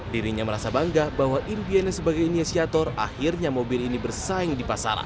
dirinya merasa bangga bahwa impiannya sebagai inisiator akhirnya mobil ini bersaing di pasaran